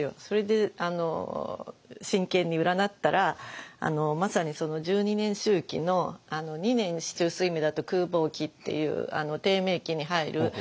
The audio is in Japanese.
それで真剣に占ったらまさにその１２年周期の２年四柱推命だと空亡期っていう低迷期に入る